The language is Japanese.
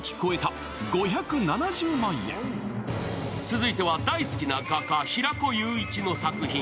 続いては、大好きな画家、平子雄一の作品。